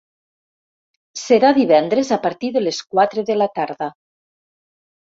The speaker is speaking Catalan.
Serà divendres a partir de les quatre de la tarda.